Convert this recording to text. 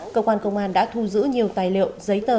cơ quan công an đã thu giữ nhiều tài liệu giấy tờ